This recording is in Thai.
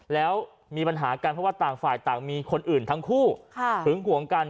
แล้วมีปัญหากันเพราะว่าต่างฝ่ายต่างมีคนอื่นทั้งคู่หึงห่วงกัน